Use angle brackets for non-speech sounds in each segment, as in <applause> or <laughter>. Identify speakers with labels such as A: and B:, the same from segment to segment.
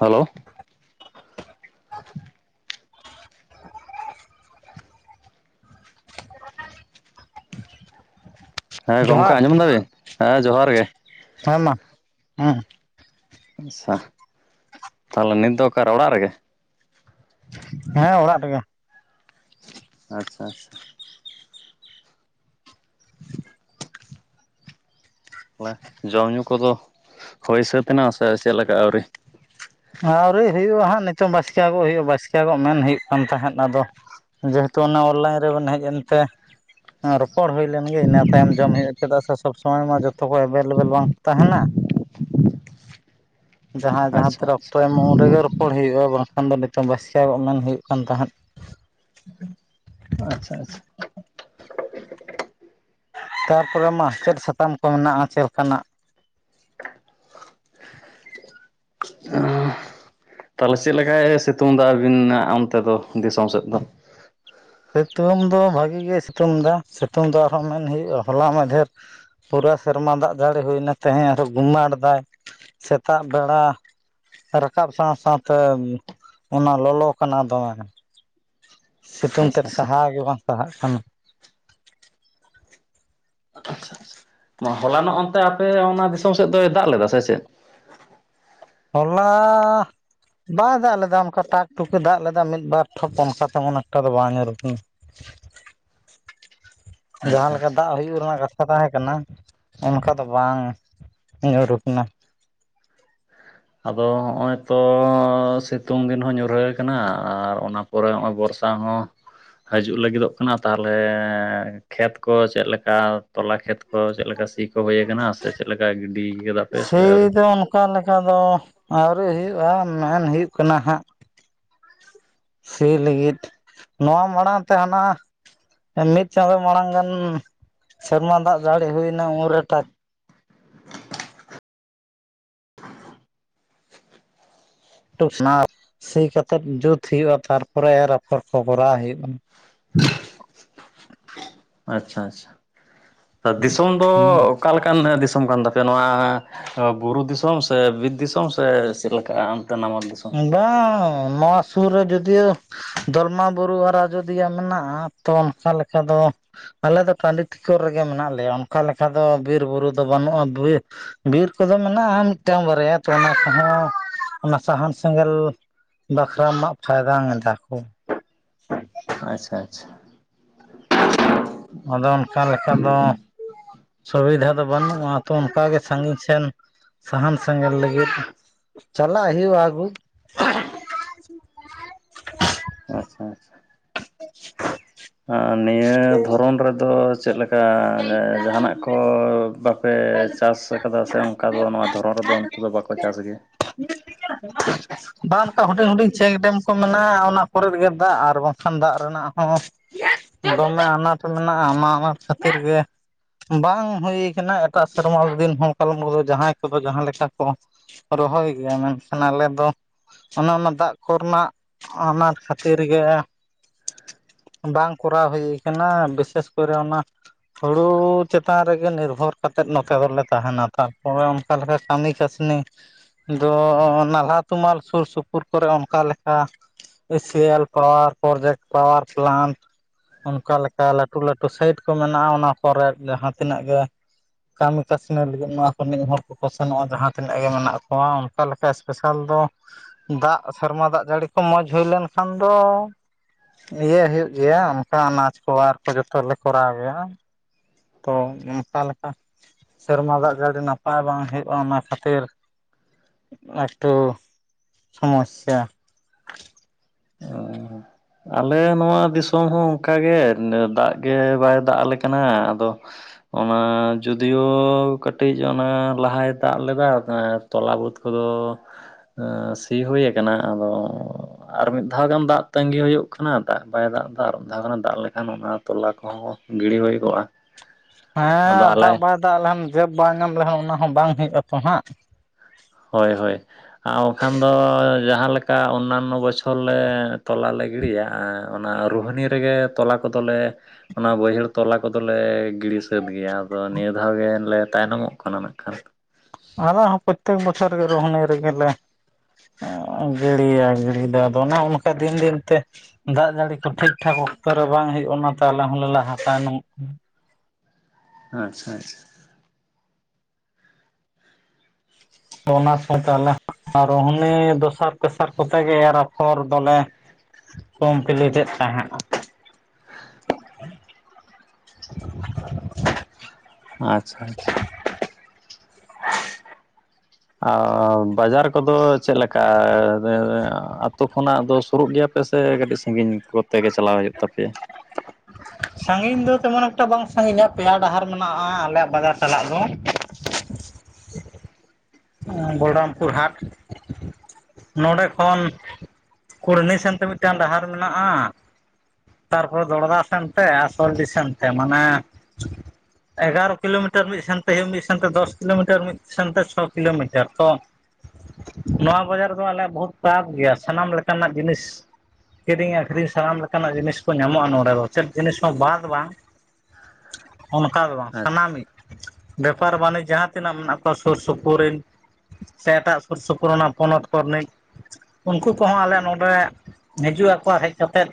A: Hello <unintelligible> ᱦᱮᱸ ᱜᱚᱢᱠᱮ
B: ᱡᱚᱦᱟᱨ
A: ᱟᱸᱡᱚᱢ ᱮᱫᱟ ᱵᱤᱱ ᱦᱮᱸ ᱡᱚᱦᱟᱨ ᱜᱮ
B: ᱦᱮᱸ ᱢᱟ ᱩᱸ
A: ᱟᱪᱪᱷᱟ, ᱛᱟᱦᱚᱞᱮ ᱱᱤᱛ ᱫᱚ ᱚᱠᱟᱨᱮ ᱚᱲᱟᱜ ᱨᱮᱜᱮ?
B: ᱦᱮᱸ ᱚᱲᱟᱜ ᱨᱮᱜᱮ
A: ᱟᱪᱪᱷᱟ, ᱟᱪᱪᱷᱟ, ᱟᱪᱪᱷᱟ ᱮ <unintelligible> ᱡᱚᱢ ᱧᱩ ᱠᱚᱫᱚ ᱦᱚ ᱥᱟᱹᱛ ᱮᱱᱟ ᱥᱮ ᱪᱮᱫ ᱞᱮᱠᱟ ᱟᱹᱣᱨᱤ?
B: ᱟᱹᱣᱨᱤ ᱦᱩᱭᱩᱜᱼᱟ ᱦᱟᱸᱜ, ᱱᱤᱛᱚᱝ ᱵᱟᱥᱠᱮ ᱟ. ᱜᱩ ᱦᱩᱭᱩᱜᱼᱟ ᱵᱟᱥᱠᱮᱭᱟ ᱠᱚ ᱢᱮᱱ ᱦᱩᱭᱩᱜ ᱠᱟᱱ ᱛᱟᱦᱮᱸᱫ ᱟᱫᱚ ᱡᱮᱦᱮᱛᱩ ᱚᱱᱮ ᱚᱱᱞᱟᱭᱤᱱ ᱨᱮᱵᱮᱱ ᱦᱮᱡ ᱮᱱᱛᱮ, ᱨᱚᱯᱚᱲ ᱦᱩᱭ ᱞᱮᱱᱜᱮ ᱤᱱᱟᱹ ᱛᱟᱭᱚᱢ ᱡᱚᱢ ᱦᱩᱭᱩᱜᱼᱟ ᱪᱮᱫᱟᱜ ᱥᱮ ᱥᱚᱵ ᱥᱚᱢᱚᱭ ᱢᱟ ᱡᱚᱛᱚ ᱠᱚ ᱮᱵᱮᱞᱮᱵᱮᱞ ᱵᱟᱝ ᱠᱚ ᱛᱟᱦᱮᱱᱟ ᱾ ᱡᱟᱦᱟᱸᱭ ᱡᱟᱦᱟᱸ ᱛᱤ
A: ᱟᱪᱪᱷᱟ
B: ᱨᱮ
A: ᱟᱪᱪᱷᱟ
B: ᱚᱠᱛᱚ ᱮᱢᱚᱜ᱾ ᱩᱱ ᱨᱮᱜᱮ ᱨᱚᱯᱚᱲ ᱦᱩᱭᱩᱜᱼᱟ ᱾ᱵᱟᱝ ᱠᱷᱟᱱ ᱫᱚ ᱱᱤᱛᱚᱝ ᱵᱟᱹᱥᱭᱟᱹᱢᱚᱜ ᱢᱮᱱ ᱦᱩᱭᱩᱜ ᱠᱟᱱ ᱛᱟᱦᱮᱸᱫ᱾
A: ᱟᱪᱪᱷᱟ, ᱟᱪᱪᱷᱟ, ᱟᱪᱪᱷᱟ
B: ᱛᱟᱨᱯᱚᱨᱮ ᱢᱟ ᱪᱮᱫ ᱥᱟᱛᱟᱢ ᱠᱚ ᱢᱮᱱᱟᱜᱼᱟ ᱪᱮᱞᱠᱟᱱᱟᱜ?
A: <unintelligible> ᱛᱟᱦᱚᱞᱮ ᱪᱮᱫ ᱞᱮᱠᱟᱭ ᱥᱤᱛᱩᱝ ᱮᱫᱟ ᱟᱹᱵᱤᱱᱟᱜ ᱚᱱᱛᱮ ᱫᱚ ᱫᱤᱥᱚᱢ ᱥᱮᱫ ᱫᱚ?
B: ᱥᱤᱛᱩᱝ ᱫᱚ ᱵᱷᱟᱜᱤ ᱜᱮ ᱥᱤᱛᱩᱝ ᱮᱫᱟ, ᱥᱤᱛᱩᱝ ᱫᱚ ᱟᱨᱦᱚᱸ ᱢᱮᱱ ᱦᱩᱭᱩᱜᱼᱟ ᱦᱚᱞᱟ ᱢᱟᱫᱷᱮᱨ ᱯᱩᱨᱟᱹ ᱥᱮᱨᱢᱟ ᱫᱟᱜ ᱡᱟᱹᱲᱤ ᱦᱩᱭᱱᱟ ᱛᱮᱦᱮᱸᱧ ᱟᱨ ᱦᱚᱸ ᱜᱩᱢᱳᱲᱫᱟᱭ ᱥᱮᱛᱟᱜ ᱵᱮᱲᱟ ᱨᱟᱠᱟᱵ ᱥᱟᱶ ᱥᱟᱶᱛᱮ ᱚᱱᱟ ᱞᱚᱞᱚ ᱠᱟᱱᱟ ᱫᱚᱢᱮ᱾
A: <unintelligible>
B: ᱥᱤᱛᱩᱝ ᱛᱮᱫ ᱥᱟᱦᱟᱣ ᱜᱮ ᱵᱟᱝ ᱥᱟᱦᱟᱜ ᱠᱟᱱᱟ᱾
A: ᱟᱪᱪᱷᱟ ᱟᱪᱪᱷᱟ, ᱦᱚᱞᱟᱱᱚᱜ ᱚᱱᱛᱮ ᱟᱯᱮ ᱚᱱᱟ ᱫᱤᱥᱚᱢ ᱥᱮᱫ ᱫᱚᱭ ᱫᱟᱜ ᱞᱮᱫᱟ ᱥᱮ ᱪᱮᱫ?
B: ᱦᱚᱞᱟᱻᱟᱻᱟᱻᱟ ᱵᱟᱭ ᱫᱟᱜ ᱞᱮᱫᱟ ᱚᱱᱠᱟ ᱴᱟᱠ ᱴᱩᱠ ᱮ ᱫᱟᱜ ᱞᱮᱫᱟ ᱢᱤᱫ ᱵᱟᱨ ᱴᱷᱚᱯ ᱚᱱᱠᱟ ᱛᱮᱢᱚᱱ ᱮᱠᱴᱟ ᱫᱚ ᱵᱟᱝ ᱧᱩᱨ ᱟᱠᱟᱱᱟ᱾
A: <unintelligible>
B: ᱡᱟᱦᱟᱸ ᱞᱮᱠᱟ
A: ᱟᱪᱪᱷᱟ
B: ᱫᱟᱜ ᱦᱩᱭᱩᱜ ᱨᱮᱱᱟᱜ ᱠᱟᱛᱷᱟ ᱠᱟᱛᱷᱟ ᱛᱟᱦᱮᱸ ᱠᱟᱱᱟ ᱚᱱᱠᱟ ᱫᱚ ᱵᱟᱝ ᱧᱩᱨ ᱟᱠᱟᱱᱟ᱾
A: ᱟᱫᱚ ᱦᱚᱸᱜᱼᱚᱭ ᱛᱚ ᱥᱤᱛᱩᱝ ᱫᱤᱱ ᱦᱚᱸ ᱧᱩᱨᱦᱟᱹ ᱠᱟᱱᱟ ᱟᱨ ᱚᱱᱟ ᱯᱚᱨᱮ ᱱᱚᱜᱼᱚᱭ ᱵᱚᱨᱥᱟ ᱦᱚᱸ ᱦᱤᱡᱩᱜ ᱞᱟᱹᱜᱤᱫᱚᱜ ᱠᱟᱱᱟ ᱛᱟᱨ ᱛᱚᱞᱮ ᱠᱷᱮᱛ ᱠᱚ ᱪᱮᱫ ᱞᱮᱠᱟ ᱛᱚᱞᱟ ᱠᱷᱮᱛ ᱠᱚ᱾ ᱦᱳ ᱪᱮᱫ ᱞᱮᱠᱟ ᱥᱤ ᱠᱚ ᱦᱩᱭ ᱟᱠᱟᱱᱟ ᱥᱮ ᱪᱮᱫ ᱞᱮᱠᱟ ᱜᱤᱰᱤ ᱠᱟᱫᱟ ᱯᱮ ᱥᱮ ᱟᱹᱣᱨᱤ?
B: ᱚᱠᱟ ᱞᱮᱠᱟ ᱫᱚ ᱟᱹᱣᱨᱤ ᱦᱩᱭᱩᱜᱼᱟ ᱢᱮᱱ ᱦᱩᱭᱩᱜ ᱠᱟᱱᱟ ᱦᱟᱸᱜ᱾ ᱥᱤ ᱞᱟᱹᱜᱤᱫ ᱱᱚᱣᱟ ᱢᱟᱲᱟᱝ ᱛᱮ ᱦᱟᱱᱟ ᱢᱤᱫ ᱪᱟᱸᱫᱚ ᱢᱟᱲᱟᱝ ᱜᱟᱱ ᱥᱮᱨᱢᱟ ᱫᱟᱜ ᱡᱟᱹᱲᱤ ᱦᱩᱭ ᱮᱱᱟ ᱩᱱ ᱨᱮ ᱛᱟᱠ <unintelligible> ᱥᱤ ᱠᱟᱛᱮᱫ ᱡᱩᱛ ᱦᱩᱭᱩᱜᱼᱟ ᱛᱟᱨᱯᱚᱨᱮ ᱨᱚᱯᱷᱚᱨ ᱠᱚ ᱠᱚᱨᱟᱣ ᱦᱩᱭᱩᱜᱼᱟ᱾
A: ᱟᱪᱪᱷᱟ ᱟᱪᱪᱷᱟ, ᱫᱤᱥᱚᱢ ᱫᱚ ᱚᱠᱟ ᱞᱮᱠᱟᱱ ᱫᱤᱥᱚᱢ ᱠᱟᱱ ᱛᱟᱯᱮᱭᱟ ᱱᱚᱣᱟ ᱚ ᱵᱩᱨᱩ ᱫᱤᱥᱚᱢ ᱥᱮ ᱵᱤᱨ ᱫᱤᱥᱚᱢ ᱥᱮ ᱪᱮᱫ ᱞᱮᱠᱟᱜ ᱟ ᱚᱱᱛᱮ ᱱᱟᱢᱟᱞ ᱫᱤᱥᱚᱢ?
B: ᱵᱟᱝ ᱱᱚᱣᱟ ᱥᱩᱨ ᱨᱮ ᱡᱚᱫᱤᱭᱳ ᱫᱚᱞᱢᱟ ᱵᱩᱨᱩ ᱟᱨ ᱟᱡᱚᱫᱤᱭᱟᱹ ᱢᱮᱱᱟᱜᱼᱟ ᱛᱚ ᱚᱱᱠᱟ ᱞᱮᱠᱟ ᱫᱚ ᱟᱞᱮ ᱫᱚ ᱴᱟᱺᱰᱤ ᱴᱤᱠᱚᱨ ᱨᱮᱜᱮ ᱢᱮᱱᱟᱜ ᱞᱮᱭᱟ ᱚᱱᱠᱟ ᱞᱮᱠᱟ ᱫᱚ ᱵᱤᱨᱵᱩᱨᱩ ᱫᱚ ᱵᱟᱹᱱᱩᱜᱼᱟ, ᱵᱤᱨ ᱵᱤᱨ ᱠᱚᱫᱚ ᱢᱮᱱᱟᱜᱼᱟ ᱢᱤᱫᱴᱟᱝ ᱵᱟᱨᱭᱟ ᱛᱚ ᱚᱱᱟ ᱠᱚᱦᱚᱸ ᱚᱱᱟ ᱥᱟᱦᱟᱱ ᱥᱮᱸᱜᱮᱞ ᱵᱟᱠᱷᱨᱟ ᱢᱟ ᱯᱷᱟᱭᱫᱟᱝ ᱮᱫᱟ ᱠᱚ᱾
A: ᱟᱪᱪᱷᱟ ᱟᱪᱪᱷᱟ
B: ᱟᱫᱚ ᱚᱱᱠᱟ ᱞᱮᱠᱟ ᱫᱚ ᱥᱩᱵᱤᱫᱷᱟ ᱫᱚ ᱵᱟᱹᱱᱩᱜᱼᱟ ᱛᱚ ᱚᱱᱠᱟᱜᱮ ᱥᱟᱺᱜᱤᱧ ᱥᱮᱱ ᱥᱟᱦᱟᱱ ᱥᱮᱸᱜᱮᱞ ᱞᱟᱹᱜᱤᱫ ᱪᱟᱞᱟᱜ ᱦᱩᱭᱩᱜᱼᱟ ᱟᱜᱩ
A: ᱟᱪᱪᱷᱟ ᱟᱪᱪᱷᱟ, ᱱᱤᱭᱟᱹ ᱫᱷᱚᱨᱚᱱ ᱨᱮᱫᱚ ᱪᱮᱫ ᱞᱮᱠᱟ? <unintelligible> ᱡᱟᱸ ᱡᱟᱸ ᱡᱟᱦᱟᱱᱟᱜ ᱠᱚ ᱵᱟᱜ᱾ ᱯᱮ ᱪᱟᱥ ᱟᱠᱟᱫᱟ ᱥᱮ ᱚᱱᱠᱟ ᱫᱚ ᱱᱚᱣᱟ ᱫᱷᱚᱨᱚᱱ ᱨᱮᱫᱚ ᱚᱱᱛᱮᱫ ᱫᱚ ᱵᱟᱠᱚ ᱪᱟᱥ ᱜᱮᱭᱟ
B: <inaudible>
A: <inaudible>
B: ᱵᱟᱝ ᱚᱱᱠᱟ ᱦᱩᱰᱤᱧ ᱦᱩᱰᱤᱧ ᱪᱮᱠ ᱰᱮᱢ ᱠᱚ ᱢᱮᱱᱟᱜ-ᱟ ᱚᱱᱟ ᱠᱚᱨᱮ ᱜᱮ ᱫᱟᱜ ᱟᱨ ᱵᱟᱝᱠᱷᱟᱱ ᱫᱟᱜ ᱨᱮᱱᱟᱜ ᱦᱚᱸ ᱫᱚᱢᱮ ᱟᱱᱟᱴ ᱢᱮᱱᱟᱜᱼᱟ ᱚᱱᱟ ᱟᱱᱟᱴ ᱠᱷᱟᱹᱛᱤᱨ ᱜᱮ ᱵᱟᱝ ᱦᱩᱭ ᱟᱠᱟᱱᱟ᱾ ᱥᱮᱛᱟᱜ ᱥᱮᱨᱢᱟ ᱩᱰᱤ ᱫᱤᱱ ᱦᱚᱞᱠᱟᱞᱚᱢ ᱫᱚ ᱡᱟᱦᱟᱸᱭ ᱠᱚᱫᱚ ᱡᱟᱦᱟᱸ ᱞᱮᱠᱟ ᱠᱚ᱾ ᱨᱚᱦᱚᱭ ᱜᱮᱭᱟ ᱢᱮᱱᱠᱷᱟᱱ ᱟᱞᱮ ᱫᱚ ᱚᱱᱮ ᱚᱱᱟ ᱫᱟᱜ ᱠᱚᱨᱮᱱᱟᱜ ᱚᱱᱟᱴ ᱠᱷᱟᱹᱛᱤᱨ ᱜᱮ ᱵᱟᱝ ᱠᱚᱨᱟᱣ ᱦᱩᱭ ᱟᱠᱟᱱᱟ ᱵᱤᱥᱮᱥ ᱠᱚᱨᱮ ᱚᱱᱟ ᱦᱩᱲᱩ ᱪᱮᱛᱟᱱ ᱨᱮᱜᱮ ᱱᱤᱨᱵᱷᱚᱨ᱾ ᱠᱟᱛᱮᱫ ᱱᱚᱛᱮ ᱫᱚᱞᱮ ᱛᱟᱸᱦᱮᱱᱟ ᱛᱟᱨᱯᱚᱨᱮ ᱚᱱᱠᱟ ᱞᱮᱠᱟ ᱠᱟᱹᱢᱤ ᱠᱟᱹᱥᱱᱤ ᱫᱚ ᱱᱟᱞᱦᱟ ᱛᱩᱢᱟᱹᱞ ᱥᱩᱨ ᱥᱩᱯᱩᱨ ᱠᱚᱨᱮ ᱚᱱᱠᱟ ᱞᱮᱠᱟ E C L power project, power plant ᱚᱱᱠᱟ ᱞᱮᱠᱟ ᱞᱟᱹᱴᱩ ᱞᱟᱹᱴᱩ ᱥᱟᱭᱤᱴ ᱠᱚ ᱢᱮᱱᱟᱜᱼᱟ ᱚᱱᱟ ᱠᱚᱨᱮ ᱡᱟᱦᱟᱸ ᱛᱤᱱᱟᱹᱜ ᱜᱮ ᱠᱟᱹᱢᱤ ᱠᱟᱹᱥᱱᱤ ᱞᱟᱹᱜᱤᱫ ᱱᱚᱣᱟ <inaudible> ᱦᱚᱲ ᱠᱚᱠᱚ ᱥᱮᱱᱚᱜᱼᱟ ᱡᱟᱦᱟᱸ ᱛᱤᱱᱟᱹᱜ ᱜᱮ ᱢᱮᱱᱟᱜ ᱠᱚᱣᱟ ᱚᱱᱠᱟ ᱞᱮᱠᱟ ᱮᱥᱯᱮᱥᱟᱞ ᱫᱚ ᱫᱟᱜ ᱥᱮᱨᱢᱟ ᱫᱟᱜ ᱡᱟᱹᱲᱤ ᱠᱚ ᱢᱚᱸᱡᱽ ᱦᱩᱭ ᱞᱮᱱᱠᱷᱟᱱ ᱫᱚ ᱤᱭᱟᱹ ᱦᱩᱭᱩᱜ ᱜᱮᱭᱟ ᱚᱱᱠᱟ ᱟᱱᱟᱡᱽ ᱠᱚ ᱟᱨ ᱠᱚ ᱡᱚᱛᱚ ᱞᱮ ᱠᱚᱨᱟᱣ ᱜᱮᱭᱟ᱾ ᱛᱚ ᱚᱱᱠᱟ ᱞᱮᱠᱟ᱾ ᱥᱮᱨᱢᱟ ᱫᱟᱜ ᱡᱟᱹᱲᱤ ᱱᱟᱯᱟᱭ ᱵᱟᱝ ᱦᱩᱭᱩᱜᱼᱟ ᱚᱱᱟ ᱠᱷᱟᱹᱛᱤᱨ ᱮᱠᱴᱩ ᱥᱚᱢᱚᱭᱥᱟ
A: ᱟᱞᱮ ᱱᱚᱣᱟ ᱫᱤᱥᱚᱢ ᱦᱚᱸ ᱚᱱᱠᱟᱜᱮ ᱫᱟᱜ ᱜᱮ ᱵᱟᱭ ᱫᱟᱜ ᱟᱞᱮ ᱠᱟᱱᱟ ᱟᱫᱚ᱾ ᱚᱱᱟ ᱡᱩᱫᱤᱭᱳ ᱠᱟᱹᱴᱤᱡ ᱚᱱᱟ ᱞᱟᱦᱟᱭ ᱫᱟᱜ ᱞᱮᱫᱟ ᱮ ᱛᱚᱞᱟ ᱵᱟᱹᱫᱽ ᱠᱚᱫᱚ᱾ ᱮᱸ ᱥᱤ ᱦᱩᱭ ᱠᱟᱱᱟ ᱟᱫᱚ ᱟᱨ ᱢᱤᱫ ᱫᱷᱟᱣ ᱜᱟᱱ ᱫᱟᱜ ᱛᱟᱺᱜᱤ ᱦᱩᱭᱩᱜ ᱠᱟᱱᱟ᱾ ᱫᱟᱜ ᱵᱟᱭ ᱫᱟᱜ ᱫᱟ ᱟᱨ ᱡᱟᱦᱟᱸ ᱫᱟᱜ ᱞᱮᱠᱷᱟᱱ ᱚᱱᱟ ᱛᱚᱞᱟ ᱠᱚᱦᱚᱸ ᱜᱤᱲᱤ ᱦᱩᱭ ᱠᱚᱚᱜ-ᱟ᱾
B: ᱦᱮᱸ ᱫᱟᱜ ᱵᱟᱭ ᱫᱟᱜ ᱞᱮᱠᱷᱟᱱ ᱡᱮᱵᱽ ᱵᱟᱭ ᱧᱟᱢ ᱞᱮᱠᱷᱟᱱ ᱚᱱᱟ ᱦᱚᱸ ᱵᱟᱝ ᱦᱩᱭᱩᱜ ᱟᱛᱚ ᱦᱟᱸᱜ
A: ᱦᱳᱭ ᱦᱳᱭ ᱟᱨ ᱵᱟᱝᱠᱷᱟᱱ ᱫᱚ ᱡᱟᱦᱟᱸᱞᱮᱠᱟ ᱩᱱᱟᱱᱱᱚ ᱵᱚᱪᱷᱚᱨ ᱞᱮ ᱛᱚᱞᱟᱞ ᱞᱮ ᱜᱤᱰᱤᱭᱟ ᱚᱱᱟ ᱨᱩᱦᱱᱤ ᱨᱮᱜᱮ ᱛᱚᱞᱟ ᱠᱚᱫᱚᱞᱮ ᱚᱱᱟ ᱵᱟᱹᱭᱦᱟᱹᱲ ᱛᱚᱞᱟ ᱠᱚᱫᱚᱞᱮ ᱜᱤᱲᱤ ᱥᱟᱹ ᱥᱟᱹᱛ ᱜᱮᱭᱟ ᱟᱫᱚ ᱱᱤᱭᱟᱹ ᱫᱷᱟᱣ ᱜᱮ ᱮᱱᱞᱮ ᱛᱟᱭᱱᱚᱢᱚᱜ ᱠᱟᱱᱟ ᱢᱮᱱᱠᱷᱟᱱ᱾
B: ᱟᱞ ᱯᱨᱚᱛᱮᱠ ᱵᱚᱪᱷᱚᱨ ᱜᱮ ᱨᱳᱦᱚᱱᱤ ᱨᱮ ᱜᱮᱞᱮ ᱜᱤᱲᱤᱭᱟ ᱜᱤᱲᱤ ᱫᱚ ᱟᱫᱚ ᱚᱱᱮ ᱚᱱᱠᱟ ᱫᱤᱱ ᱫᱤᱱ ᱛᱮ ᱫᱟᱜ ᱡᱟᱹᱲᱤ ᱠᱚ ᱴᱷᱤᱠ ᱴᱷᱟᱠ ᱚᱠᱛᱚ ᱨᱮ ᱵᱟᱝ ᱦᱩᱭᱩᱜ ᱚᱱᱟᱛᱮ ᱟᱞᱮ ᱦᱚᱸᱞᱮ ᱞᱟᱦᱟ ᱛᱟᱭᱱᱚᱢᱚᱜ ᱠᱟᱱᱟ᱾
A: ᱟᱪᱪᱷᱟ ᱟᱪᱪᱷᱟ᱾
B: ᱚᱱᱟ ᱥᱚ ᱛᱟᱞᱟ ᱟ ᱨᱩᱦᱱᱤ ᱫᱚᱥᱟᱨ ᱛᱮᱥᱟᱨ ᱠᱚᱛᱮ ᱜᱮ ᱮᱨ ᱟᱯᱷᱚᱨ ᱫᱚᱞᱮ ᱠᱚᱢᱯᱞᱤᱴᱮᱫ ᱛᱟᱦᱮᱜ-ᱟ᱾
A: ᱟᱪᱪᱷᱟ ᱟᱪᱪᱷᱟ ᱟᱸᱻ ᱵᱟᱡᱟᱨ ᱠᱚᱫᱚ ᱪᱮᱫ ᱞᱮᱠᱟ ᱟᱛᱳ ᱠᱷᱚᱱᱟᱜ ᱫᱚ ᱥᱩᱨᱩᱜ ᱜᱮᱭᱟ? ᱟᱯᱮ ᱥᱮ ᱠᱟᱹᱴᱤᱡ ᱥᱟᱺᱜᱤᱧ ᱠᱚᱛᱮᱜᱮ ᱪᱟᱞᱟᱣ ᱦᱩᱭᱩᱜ ᱛᱟᱯᱮᱭᱟ
B: ᱥᱟᱺᱜᱤᱧ ᱫᱚ ᱛᱮᱢᱚᱱ ᱮᱠᱴᱟ ᱵᱟᱝ ᱥᱟᱺᱜᱤᱧᱟ ᱯᱮᱭᱟ ᱰᱟᱦᱟᱨ ᱢᱮᱱᱟᱜ-ᱟ ᱟᱞᱮᱭᱟᱜ ᱵᱟᱡᱟᱨ ᱥᱟᱞᱟᱜ ᱫᱚ᱾ ᱵᱚᱞᱨᱟᱢᱯᱩᱨ ᱦᱟᱴ ᱱᱚᱰᱮ ᱠᱷᱚᱱ ᱠᱩᱲᱱᱤ ᱥᱮᱱᱛᱮ ᱢᱤᱫᱴᱟᱝ ᱰᱟᱦᱟᱨ ᱢᱮᱱᱟᱜ-ᱟ᱾ ᱛᱟᱨᱯᱚᱨᱮ ᱫᱚᱲᱫᱟ ᱥᱮᱱᱛᱮ ᱟᱨ ᱥᱚᱞᱰᱤ ᱥᱮᱱᱛᱮ ᱢᱟᱱᱮ ᱮᱜᱟᱨᱚ ᱠᱤᱞᱳᱢᱤᱴᱟᱨ ᱢᱤᱫ ᱥᱮᱱ ᱛᱮ ᱦᱩᱭᱩᱜᱼᱟ ᱢᱤᱫ ᱥᱮᱱᱛᱮ ᱫᱚᱥ ᱠᱤᱞᱳᱢᱤᱴᱟᱨ ᱢᱤᱫ ᱥᱮᱱᱛᱮ ᱪᱷᱚ ᱠᱤᱞᱳᱢᱤᱴᱟᱨ ᱛᱚ᱾ ᱱᱚᱣᱟ ᱵᱟᱡᱟᱨ ᱫᱚ ᱟᱞᱮᱭᱟᱜ ᱵᱚᱦᱩᱛ ᱯᱟᱵᱽ ᱜᱮᱭᱟ ᱥᱟᱱᱟᱢ ᱞᱮᱠᱟᱱᱟᱜ ᱡᱤᱱᱤᱥ᱾ ᱠᱤᱨᱤᱧ ᱟᱹᱠᱷᱨᱤᱧ ᱥᱟᱱᱟᱢ ᱞᱮᱠᱟᱱᱟᱜ ᱡᱤᱱᱤᱥ ᱠᱚ ᱧᱟᱢᱚᱜ-ᱟ ᱱᱚᱸᱰᱮ ᱫᱚ ᱪᱮᱫ ᱡᱤᱱᱤᱥ ᱦᱚᱸ ᱵᱟᱫ ᱵᱟᱝ᱾ ᱚᱱᱠᱟ ᱫᱚ ᱵᱟᱝ,
A: ᱟᱪᱪᱷᱟ
B: ᱥᱟᱱᱟᱢ ᱜᱮ ᱵᱮᱯᱟᱨ ᱵᱟᱱᱤᱡᱽ ᱡᱟᱦᱟᱸ ᱛᱤᱱᱟᱹᱜ ᱢᱮᱱᱟᱜ ᱠᱚᱣᱟ ᱥᱩᱨ ᱥᱩᱯ ᱯᱚ ᱨᱮᱱ ᱥᱮ ᱮᱴᱟᱜ ᱥᱩᱨ ᱥᱩᱯᱩᱨ ᱚᱱᱟ ᱯᱚᱱᱚᱛ ᱠᱚ ᱨᱮᱱᱤᱡ ᱩᱱᱠᱩ ᱠᱚᱦᱚᱸ ᱟᱞᱮ ᱱᱚᱰᱮ ᱦᱤᱡᱩᱜ ᱟᱠᱚ ᱟᱨ ᱦᱮᱫ ᱠᱟᱛᱮᱫ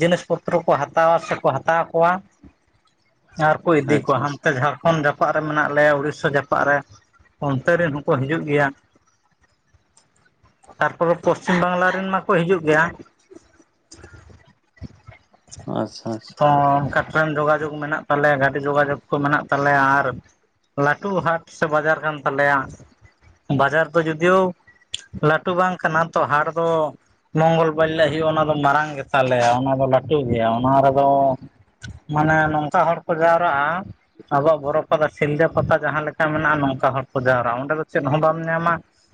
B: ᱡᱤᱱᱤᱥ ᱯᱚᱛᱨᱚ ᱠᱚ ᱦᱟᱛᱟᱣᱟ ᱥᱮ ᱠᱚ ᱦᱟᱛᱟᱣ ᱠᱚᱣᱟ, ᱟᱨ ᱠᱩ ᱤᱫᱤ
A: ᱟᱪᱪᱷᱟ ᱟᱪᱪᱷᱟ
B: ᱠᱚᱣᱟ ᱦᱟᱱᱛᱮ
A: ᱟᱪᱪᱷᱟ
B: ᱡᱷᱟᱲᱠᱷᱚᱱ ᱡᱟᱯᱟᱜ ᱨᱮ ᱢᱮᱱᱟᱜ ᱞᱮᱭᱟ ᱩᱲᱤᱥᱥᱟ ᱡᱟᱯᱟᱜ ᱨᱮ᱾ ᱚᱱᱛᱮ ᱨᱮᱱ ᱦᱚᱸᱠᱚ ᱦᱤᱡᱩᱜ ᱜᱮᱭᱟ᱾ ᱛᱟᱨᱯᱚᱨᱮ ᱯᱚᱥᱪᱤᱢ ᱵᱟᱝᱞᱟ ᱨᱮᱱ ᱢᱟᱠᱚ ᱦᱤᱡᱩᱜ ᱜᱮᱭᱟ᱾
A: ᱟᱪᱪᱷᱟ
B: ᱚᱱᱠᱟ ᱴᱨᱮᱹᱱ ᱡᱳᱜᱟᱡᱳᱜᱽ ᱢᱮᱱᱟᱜ ᱛᱟᱞᱮᱭᱟ ᱜᱟᱹᱰᱤ ᱡᱳᱜᱟᱡᱳᱜᱽ ᱠᱚ ᱢᱮᱱᱟᱜ ᱛᱟᱞᱮᱭᱟ ᱟᱨ ᱞᱟᱹᱴᱩ ᱦᱟᱴ ᱥᱮ ᱵᱟᱡᱟᱨ ᱠᱟᱱ ᱛᱟᱞᱮᱭᱟ᱾ ᱵᱟᱡᱟᱨ ᱫᱚ ᱡᱩᱫᱤᱭᱳ ᱞᱟᱹᱴᱩ ᱵᱟᱝ ᱠᱟᱱᱟ ᱛᱚ ᱦᱟᱴ ᱫᱚ ᱢᱚᱝᱜᱚᱞ ᱵᱟᱨ ᱦᱤᱞᱟᱹᱜ ᱦᱩᱭᱩᱜ-ᱟ ᱚᱱᱟ ᱫᱚ ᱢᱟᱨᱟᱝ ᱜᱮᱛᱟᱞᱮᱭᱟ ᱚᱱᱟ ᱫᱚ ᱞᱟᱹᱴᱩ ᱜᱮᱭᱟ ᱚᱱᱟ ᱨᱮᱫᱚ ᱢᱟᱱᱮ ᱱᱚᱝᱠᱟ ᱦᱚᱲ ᱠᱚ ᱡᱟᱣᱨᱟᱜ-ᱟ᱾ ᱟᱵᱚᱣᱟᱜ ᱵᱚᱨᱚ ᱯᱟᱛᱟ ᱥᱤᱞᱫᱟᱹ ᱯᱟᱛᱟ ᱡᱟᱦᱟᱸ ᱞᱮᱠᱟ ᱢᱮᱱᱟᱜ-ᱟ ᱱᱚᱝᱠᱟ ᱦᱚᱲ ᱠᱚ ᱡᱟᱣᱨᱟᱜ-ᱟ ᱚᱸᱰᱮ ᱫᱚ ᱪᱮᱫ ᱦᱚᱸ ᱵᱟᱢ ᱧᱟᱢᱟ᱾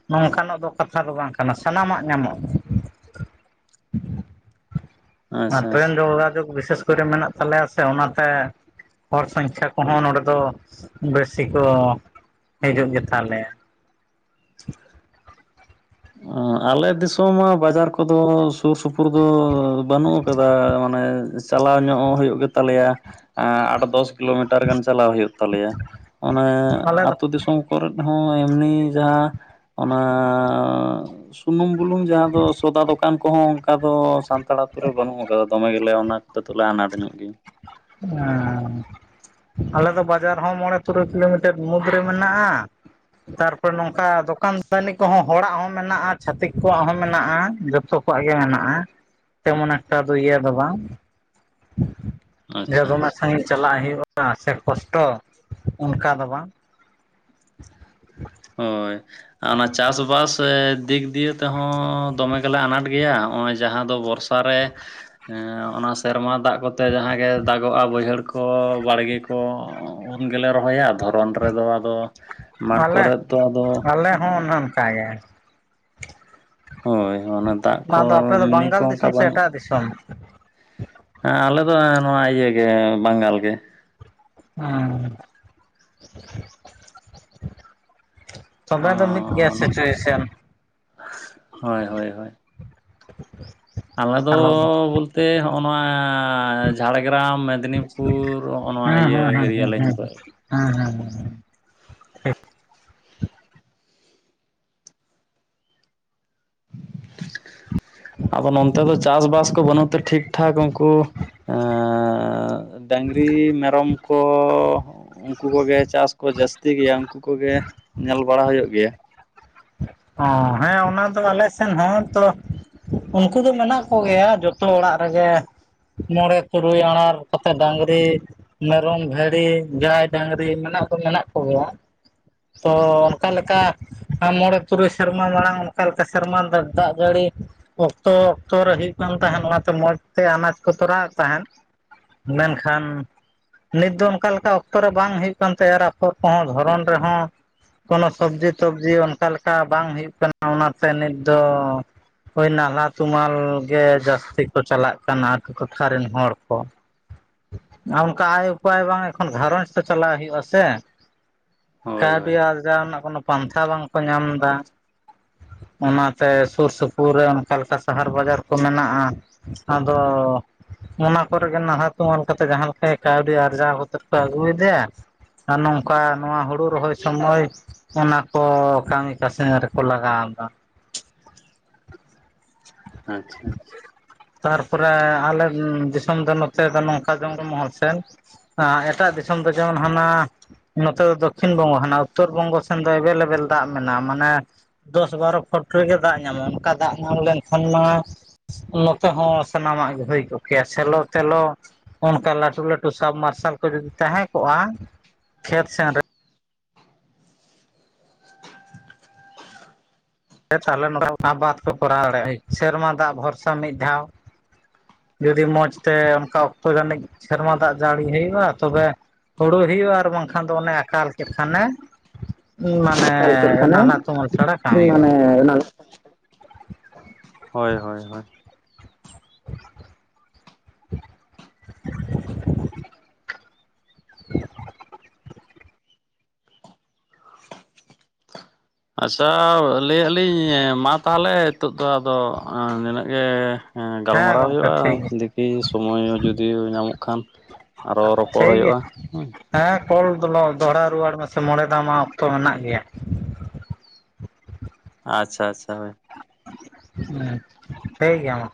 B: ᱱᱚᱝᱠᱟᱱᱚᱜ ᱫᱚ ᱠᱟᱛᱷᱟ ᱫᱚ ᱵᱟᱝ ᱠᱟᱱᱟ ᱥᱟᱱᱟᱢᱟᱜ ᱧᱟᱢᱚᱜ᱾
A: ᱟᱪᱪᱷᱟ ᱟᱪᱪᱷᱟ
B: <unintelligible> ᱵᱤᱥᱮᱥ ᱠᱚᱨᱮ ᱢᱮᱱᱟᱜ ᱛᱟᱞᱮᱭᱟ ᱥᱮ ᱚᱱᱟᱛᱮ ᱦᱚᱲ ᱥᱚᱝᱠᱷᱭᱟ ᱠᱚᱦᱚᱸ ᱱᱚᱰᱮ ᱫᱚ ᱵᱮᱥᱤ ᱠᱚ ᱦᱤᱡᱩᱜ ᱜᱮ ᱛᱟᱞᱮᱭᱟ᱾
A: ᱟᱞᱮ ᱫᱤᱥᱚᱢ ᱢᱟ ᱵᱟᱡᱟᱨ ᱠᱚᱫᱚ ᱥᱩᱨ ᱥᱩᱯᱩᱨ ᱫᱚ ᱵᱟᱹᱱᱩᱜ ᱟᱠᱟᱫᱟ ᱢᱟᱱᱮ ᱪᱟᱞᱟᱣ ᱧᱚᱜ ᱦᱩᱭᱩᱜ ᱜᱮ ᱛᱟᱞᱮᱭᱟ ᱮᱸ ᱟᱴ ᱫᱚᱥ ᱠᱤᱞᱳᱢᱤᱴᱟᱨ ᱜᱟᱱ ᱪᱟᱞᱟᱣ ᱦᱩᱭᱩᱜ ᱛᱟᱞᱮᱭᱟ ᱚᱱᱮ
B: ᱟᱞᱮ ᱫᱚ
A: ᱟᱹᱛᱩ ᱫᱤᱥᱚᱢ ᱠᱚᱨᱮᱫ ᱦᱚᱸ ᱮᱢᱱᱤ ᱡᱟᱦᱟᱸ ᱚᱱᱟᱻ ᱥᱩᱱᱩᱢ ᱵᱩᱞᱩᱝ ᱡᱟᱦᱟᱸ ᱫᱚ ᱥᱚᱫᱟ ᱫᱚᱠᱟᱱ ᱠᱚᱦᱚᱸ ᱚᱱᱠᱟ ᱫᱚ ᱥᱟᱱᱛᱟᱲ ᱟᱹᱛᱩ ᱨᱮ ᱵᱟᱹᱱᱩᱜ ᱟᱠᱟᱫ᱾ ᱫᱚᱢᱮ ᱜᱮᱞᱮ ᱚᱱᱟ ᱠᱚᱛᱮ ᱫᱚᱞᱮ ᱟᱱᱟᱴ ᱧᱚᱜ ᱜᱤ᱾
B: <unintelligible> ᱟᱞᱮ ᱫᱚ ᱵᱟᱡᱟᱨ ᱦᱚᱸ ᱢᱚᱬᱮ ᱛᱩᱨᱚ ᱠᱤᱞᱳᱢᱤᱴᱟᱨ ᱢᱩᱫᱽ ᱨᱮ ᱢᱮᱱᱟᱜᱼᱟ᱾ ᱛᱟᱨᱯᱚᱨ ᱱᱚᱝᱠᱟ ᱫᱚᱠᱟᱱ ᱫᱟᱹᱱᱤ ᱠᱚᱦᱚᱸ ᱦᱚᱲᱟᱜ ᱦᱚᱸ ᱢᱮᱱᱟᱜᱼᱟ, ᱪᱷᱟᱛᱤᱠ ᱠᱚᱣᱟᱜ ᱦᱚᱸ ᱢᱮᱱᱟᱜᱼᱟ, ᱡᱚᱛᱚ ᱣᱟᱜ ᱜᱮ ᱢᱮᱱᱟᱜᱼᱟ ᱛᱮᱢᱚᱱ ᱮᱠᱴᱟ ᱫᱚ ᱤᱭᱟᱹ ᱫᱚ ᱵᱟᱝ ᱡᱮ
A: ᱟᱪᱪᱷᱟ
B: ᱫᱚᱢᱮ
A: ᱟᱪᱪᱷᱟ
B: ᱥᱟᱺᱜᱤᱧ ᱪᱟᱞᱟᱜ ᱦᱩᱭᱩᱜᱼᱟ ᱥᱮ ᱠᱚᱥᱴᱚ ᱚᱱᱠᱟ ᱫᱚ ᱵᱟᱝ᱾
A: ᱦᱳᱭ, ᱚᱱᱟ ᱪᱟᱥᱼᱵᱟᱥ ᱥᱮ ᱫᱤᱠ ᱫᱤᱭᱮ ᱛᱮᱦᱚᱸ ᱫᱚᱢᱮ ᱜᱮᱞᱮ ᱟᱱᱟᱴ ᱜᱮᱭᱟ ᱚᱸᱼᱚᱭ ᱡᱟᱦᱟᱸ ᱫᱚ ᱵᱚᱨᱥᱟ ᱨᱮ ᱦᱮᱸ ᱚᱱᱟ ᱥᱮᱨᱢᱟ ᱫᱟᱜ ᱠᱚᱛᱮ ᱡᱟᱦᱟᱸ ᱜᱮ ᱫᱟᱜᱚᱜᱼᱟ ᱵᱟᱹᱭᱦᱟᱹᱲ ᱠᱚ ᱵᱟᱲᱜᱮ ᱛᱚ ᱩᱱ ᱜᱮᱞᱮ ᱨᱚᱦᱚᱭᱟ, ᱫᱷᱚᱨᱚᱱ ᱨᱮᱫᱚ ᱟᱫᱚ ᱢᱟᱴ
B: ᱟᱞᱮ
A: ᱠᱚᱨᱮᱛ ᱛᱮ ᱟᱫᱚ
B: ᱟᱞᱮ ᱦᱚᱸ ᱚᱱᱮ ᱚᱱᱠᱟ ᱜᱮ᱾
A: ᱦᱳᱭ ᱚᱱᱟ ᱫᱟᱜ ᱠᱚ
B: ᱚᱱᱟ ᱫᱚ ᱟᱯᱮ ᱫᱚ
A: ᱢᱤᱱᱤ ᱠᱚ
B: ᱵᱟᱝᱜᱟᱞ
A: ᱚᱱᱠᱟ
B: ᱫᱤᱥᱚᱢ ᱥᱮ
A: ᱵᱟᱹᱱᱩᱜ
B: ᱮᱴᱟᱜ ᱫᱤᱥᱚᱢ᱾
A: ᱦᱮᱸ ᱟᱞᱮ ᱫᱚ ᱮᱸ ᱱᱚᱣᱟ ᱤᱭᱟᱹ ᱜᱮ ᱵᱟᱝᱜᱟᱞ ᱜᱮ᱾
B: ᱦᱮᱸᱻ ᱪᱷᱟᱰᱟ ᱫᱚ ᱢᱤᱫ ᱜᱮᱭᱟ ᱥᱤᱪᱩᱭᱮᱥᱚᱱ᱾
A: ᱦᱳᱭ ᱦᱳᱭ ᱦᱳᱭ᱾ ᱟᱞᱮ ᱫᱚ ᱵᱚᱞᱛᱮ ᱦᱚᱸᱜᱼᱚ ᱱᱚᱣᱟ ᱡᱷᱟᱲᱜᱨᱟᱢ ᱢᱮᱫᱽᱱᱤ ᱯᱩᱨ ᱦᱚᱸᱜᱼᱚ ᱱᱚᱣᱟ ᱤᱭᱟᱹ ᱦᱮᱨᱤᱭᱟ ᱞᱮ ᱧᱩ ᱠᱟᱜ
B: ᱦᱮᱸᱦᱮᱸ ᱮᱸᱻ
A: ᱟᱫᱚ ᱱᱚᱱᱛᱮ ᱫᱚ ᱪᱟᱥ ᱵᱟᱥ ᱠᱚ ᱵᱟᱹᱱᱩᱜ ᱛᱮ ᱴᱷᱤᱠ ᱴᱷᱟᱠ ᱩᱱᱠᱩ ᱚᱸᱻ ᱰᱟᱝᱨᱤ ᱢᱮᱨᱚᱢ ᱠᱚᱻ᱾ ᱩᱱᱠᱩ ᱠᱚᱜᱮ ᱪᱟᱥ ᱠᱚ ᱡᱟᱹᱥᱛᱤ ᱜᱮᱭᱟ, ᱩᱱᱠᱩ ᱠᱚᱜᱮ ᱧᱮᱞ ᱵᱟᱲᱟ ᱦᱩᱭᱩᱜ ᱜᱮᱭᱟ ᱾
B: ᱚᱸ ᱦᱮᱸ ᱚᱱᱟ ᱫᱚ ᱟᱞᱮ ᱥᱮᱱ ᱦᱚᱸ ᱛᱚ ᱩᱱᱠᱩ ᱫᱚ ᱢᱮᱱᱟᱜ ᱠᱚ ᱜᱮᱭᱟ ᱡᱚᱛᱚ ᱚᱲᱟᱜ ᱨᱮᱜᱮ᱾ ᱢᱚᱬᱮ ᱛᱩᱨᱩᱭ ᱟᱸᱲᱟᱲ ᱠᱟᱛᱮᱫ ᱰᱟᱝᱨᱤ ᱢᱮᱨᱚᱢᱼᱵᱷᱮᱲᱤ, ᱡᱟᱭᱼᱰᱟᱝᱨᱤ ᱢᱮᱱᱟᱜ ᱫᱚ ᱢᱮᱱᱟᱜ ᱠᱚᱜᱮᱭᱟ᱾ ᱛᱚ ᱚᱱᱠᱟ ᱞᱮᱠᱟ <unintelligible> ᱢᱚᱬᱮ ᱛᱩᱨᱩᱭ ᱥᱮᱨᱢᱟ ᱢᱟᱲᱟᱝ ᱚᱱᱠᱟ ᱞᱮᱠᱟ ᱥᱮᱨᱢᱟ ᱫᱟ ᱫᱟᱜ ᱡᱟᱹᱲᱤ ᱚᱠᱛᱚ ᱚᱠᱛᱚᱨᱮ ᱦᱩᱭᱩᱜ ᱠᱟᱱ ᱛᱟᱦᱮᱸᱫ ᱚᱱᱟᱛᱮ ᱢᱚᱡᱽ ᱛᱮ ᱟᱱᱟᱡᱽ ᱠᱚ ᱛᱚᱨᱟᱣᱮᱫ ᱛᱟᱦᱮᱸᱫ ᱢᱮᱱᱠᱷᱟᱱ ᱱᱤᱛ ᱫᱚ ᱚᱱᱠᱟ ᱞᱮᱠᱟ ᱚᱠᱛᱚ ᱨᱮ ᱵᱟᱝ ᱦᱩᱭᱩᱜ ᱠᱟᱱ ᱛᱟᱭᱟ ᱮᱨ ᱯᱷᱚᱨ ᱠᱚᱦᱚᱸ ᱫᱷᱚᱨᱚᱱ ᱨᱮᱦᱚᱸ ᱠᱳᱱᱳ ᱥᱚᱵᱽᱡᱤ ᱛᱚᱵᱡᱤ ᱚᱱᱠᱟ ᱞᱮᱠᱟ ᱵᱟᱝ ᱦᱩᱭᱩᱜ ᱠᱟᱱᱟ, ᱚᱱᱟᱛᱮ ᱱᱤᱛ ᱫᱚᱻ ᱦᱳᱭ ᱱᱟᱞᱦᱟ ᱛᱩᱢᱟᱹᱞ ᱜᱮ ᱡᱟᱹᱥᱛᱤ ᱠᱚ ᱪᱟᱞᱟᱜ ᱠᱟᱱᱟ᱾ᱟᱹᱛᱳ ᱴᱚᱴᱷᱟ ᱨᱮᱱ ᱦᱚᱲ ᱠᱚ᱾ ᱚᱱᱠᱟ ᱟᱭ ᱩᱯᱟᱭ ᱵᱟᱝ ᱮᱠᱷᱚᱱ ᱜᱷᱟᱨᱚᱧᱡᱽ ᱥᱮ ᱪᱟᱞᱟᱜ ᱦᱩᱭᱩᱜᱼᱟ ᱥᱮ
A: ᱦᱳᱭ
B: ᱠᱟᱹᱣᱰᱤ
A: ᱦᱳᱭ
B: ᱟᱨᱡᱟᱣ ᱱᱟᱜ ᱠᱳᱱᱳ ᱯᱟᱱᱛᱷᱟ ᱵᱟᱝᱠᱚ ᱧᱟᱢ ᱫᱟ᱾ ᱚᱱᱟᱛᱮ ᱥᱩᱨ ᱥᱩᱯᱩᱨ ᱨᱮ ᱚᱱᱠᱟ ᱞᱮᱠᱟ ᱥᱟᱦᱟᱨ ᱵᱟᱡᱟᱨ ᱠᱚ ᱢᱮᱱᱟᱜᱼᱟ᱾ ᱟᱫᱚ ᱚᱱᱟ ᱠᱚᱨᱮ ᱜᱮ ᱱᱟᱞᱦᱟ ᱛᱩᱢᱟᱹᱞ ᱠᱟᱛᱮᱜ ᱡᱟᱦᱟᱸ ᱞᱮᱠᱟ ᱠᱟᱹᱣᱰᱤ ᱟᱨᱡᱟᱣ ᱠᱟᱛᱮᱜ ᱠᱚ ᱟᱹᱜᱩᱭᱫᱟ᱾ ᱟ ᱱᱚᱝᱠᱟ ᱱᱚᱣᱟ ᱦᱩᱲᱩ ᱨᱚᱦᱚᱭ ᱥᱚᱢᱚᱭ ᱚᱱᱟ ᱚᱻ ᱠᱟᱹᱢᱤ ᱠᱟᱹᱥᱱᱮ ᱨᱮᱠᱚ ᱞᱟᱜᱟᱣ ᱫᱟ᱾
A: ᱟᱪᱷᱟ ᱟᱪᱷᱟ
B: ᱛᱟᱨᱯᱚᱨᱮ ᱟᱞᱮ ᱩᱸᱢ ᱫᱤᱥᱚᱢ ᱫᱚ ᱱᱚᱛᱮ ᱫᱚ ᱱᱚᱝᱠᱟ ᱡᱚᱝᱜᱚᱞ ᱢᱚᱦᱚᱞ ᱥᱮᱱ᱾ <unintelligible> ᱮᱴᱟᱜ ᱫᱤᱥᱚᱢ ᱫᱚ ᱡᱮᱢᱚᱱ ᱦᱟᱸᱱᱟ ᱱᱚᱛᱮ ᱫᱚ ᱫᱚᱠᱠᱷᱤᱱ ᱵᱚᱝᱜᱚ ᱦᱟᱱᱟ ᱩᱛᱛᱚᱨ ᱵᱚᱝᱜᱚ ᱥᱮᱱ ᱫᱚ ᱮᱵᱮᱞᱼᱮᱵᱮᱞ ᱫᱟᱜ ᱢᱮᱱᱟᱜᱼᱟ, ᱢᱟᱱᱮ ᱫᱚᱥ ᱵᱟᱨᱚ ᱯᱷᱚᱴ ᱨᱮᱜᱮ ᱫᱟᱜ ᱧᱟᱢᱚᱜᱼᱟ ᱚᱱᱠᱟ ᱫᱟᱜ ᱧᱟᱢ ᱞᱮᱱ ᱠᱷᱚᱱ ᱢᱟ ᱱᱚᱛᱮ ᱦᱚᱸ ᱥᱟᱱᱟᱢᱟᱜ ᱜᱮ ᱦᱩᱭ ᱠᱚᱜ ᱠᱮᱭᱟ ᱥᱮᱞᱚ ᱛᱮᱞᱚ ᱚᱱᱠᱟ ᱞᱟᱹᱴᱩ ᱞᱟᱹᱴᱩ ᱥᱟᱵᱢᱟᱨᱥᱟᱞ ᱠᱚ ᱡᱩᱫᱤ ᱛᱟᱦᱮᱸ ᱠᱚᱜᱼᱟ ᱠᱷᱮᱛ ᱥᱮᱱ ᱨᱮ <unintelligible> ᱛᱟᱦᱞᱮ ᱱᱚᱛᱮ ᱦᱟᱛ ᱵᱟᱫ ᱠᱚ ᱠᱚᱨᱟᱣ ᱫᱟᱲᱮᱭᱟᱜᱼᱟ ᱥᱮᱨᱢᱟ ᱫᱟᱜ ᱵᱷᱚᱨᱥᱟ ᱢᱤᱫ ᱫᱷᱟᱣ ᱡᱩᱫᱤ ᱢᱚᱸᱡᱽ ᱛᱮ ᱚᱱᱠᱟ ᱚᱠᱛᱚ ᱡᱟᱹᱱᱤᱡ ᱥᱮᱨᱢᱟ ᱫᱟᱜ ᱡᱟᱹᱲᱤ ᱦᱩᱭᱩᱜᱼᱟ ᱛᱚᱵᱮ ᱦᱩᱲᱩ ᱦᱩᱭᱩᱜᱼᱟ ᱟᱨ ᱵᱟᱝᱠᱷᱟᱱ ᱫᱚ ᱚᱱᱮ ᱟᱠᱟᱞ ᱠᱮᱫ ᱠᱷᱟᱱᱮ ᱩᱸᱱ ᱢᱟ ᱱᱮᱻ
A: ᱮᱞ ᱠᱮᱫ ᱠᱷᱟᱱᱮ
B: ᱱᱟᱞᱦᱟ ᱛᱩᱢᱟᱹᱞ ᱪᱷᱟᱲᱟ ᱠᱟᱢᱤ
A: ᱢᱟᱱᱮ
B: ᱵᱟᱝ
A: ᱚᱱᱟ ᱦᱳᱭ ᱦᱳᱭ ᱦᱳᱭ ᱟᱪᱪᱷᱟ ᱞᱟᱹᱭᱮᱜ ᱟᱞᱤᱧ ᱢᱟ ᱛᱟᱦᱚᱞᱮ ᱦᱤᱛᱚᱜ ᱫᱚ ᱟᱫᱚ ᱱᱤᱱᱟᱹᱜ ᱜᱮ᱾ ᱦᱮᱸ ᱜᱟᱞᱢᱟᱨᱟᱣ
B: ᱜᱚᱝᱠᱮ
A: ᱦᱩᱭᱩᱜᱼᱟ
B: ᱴᱷᱤᱠ ᱜᱮᱭᱟ
A: ᱫᱤᱠᱷᱤ ᱥᱚᱢᱚᱭ ᱡᱩᱫᱤ ᱧᱟᱢᱚᱜ ᱠᱷᱟᱱ ᱟᱨᱚ ᱨᱚᱯᱚᱲ
B: ᱴᱷᱤᱠ ᱜᱮᱭᱟ
A: ᱦᱩᱭᱩᱜᱼᱟ ᱦᱳᱭ
B: ᱦᱮᱸ ᱠᱚᱞ ᱫᱚᱞᱚ ᱫᱚᱦᱲᱟ ᱨᱩᱣᱟᱹᱲ ᱢᱮᱥᱮ ᱢᱚᱬᱮ ᱫᱷᱟᱣ ᱢᱟ ᱚᱠᱛᱚ ᱢᱮᱱᱟᱜ ᱜᱮᱭᱟ
A: ᱟᱪᱪᱷᱟ ᱟᱪᱪᱷᱟ ᱦᱳᱭ
B: <unintelligible> ᱴᱷᱤᱠ ᱜᱮᱭᱟ ᱢᱟ